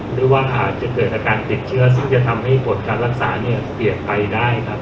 หรือว่าอาจจะเกิดอาการติดเชื้อซึ่งจะทำให้ผลการรักษาเนี่ยเปลี่ยนไปได้ครับ